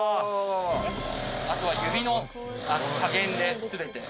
あとは指の加減で全て。